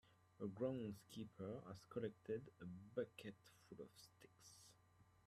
a groundskeeper has collected a bucket full of sticks.